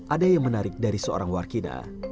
ada yang menarik dari seorang warkina